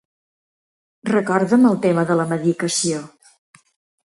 Recorda'm el tema de la medicació.